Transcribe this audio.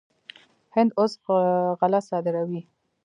هند اوس غله صادروي.